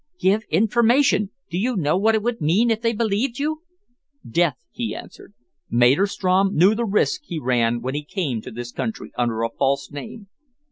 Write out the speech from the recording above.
"Give information. Do you know what it would mean if they believed you?" "Death," he answered. "Maderstrom knew the risk he ran when he came to this country under a false name."